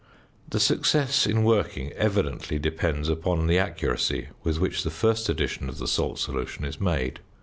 The success in working evidently depends upon the accuracy with which the first addition of the salt solution is made.